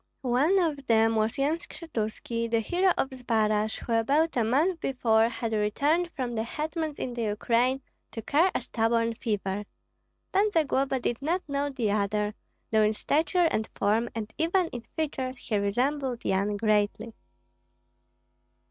One of them was Yan Skshetuski, the hero of Zbaraj, who about a month before had returned from the hetmans in the Ukraine to cure a stubborn fever; Pan Zagloba did not know the other, though in stature and form and even in features he resembled Yan greatly.